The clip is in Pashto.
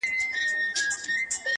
• زه هم دعاوي هر ماښام كومه؛